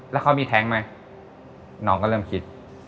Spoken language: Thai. แล้วเขามีแท้งไหมน้องก็เริ่มคิด